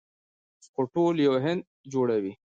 خو ټول یو هند جوړوي.